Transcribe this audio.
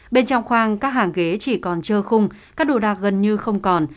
bên trong khoang các hàng ghế chỉ còn trơ khung các đồ đạc gần như không còn